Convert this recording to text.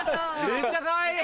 めっちゃかわいい！